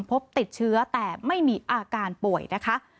พบติดเชื้อแต่ไม่มีอาการป่วยนะคะ